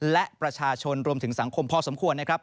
และประชาชนรวมถึงสังคมพอสมควรนะครับ